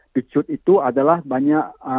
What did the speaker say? beechworth itu adalah banyak